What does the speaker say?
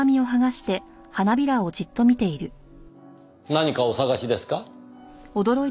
何かお捜しですか？